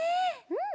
うん！